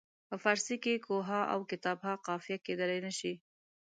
په فارسي کې کوه ها او کتاب ها قافیه کیدلای نه شي.